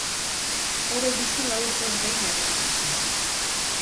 Hobe duzu lau urtez behin errepikatzea.